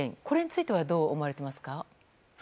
これについてはどう思われていますか？